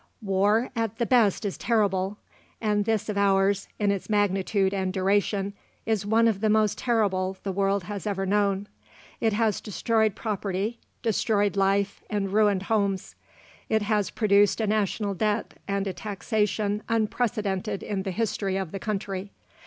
War at the best is terrible, and this of ours, in its magnitude and duration, is one of the most terrible the world has ever known. It has destroyed property, destroyed life, and ruined homes. It has produced a national debt and a taxation unprecedented in the history of the country.